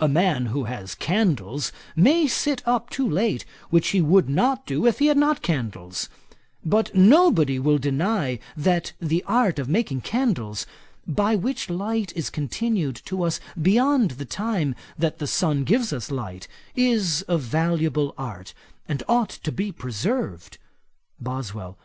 A man who has candles may sit up too late, which he would not do if he had not candles; but nobody will deny that the art of making candles, by which light is continued to us beyond the time that the sun gives us light, is a valuable art, and ought to be preserved.' BOSWELL.